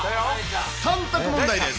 ３択問題です。